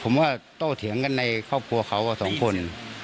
ผมว่าโตเถียงกันในครอบครัวเขาสองคน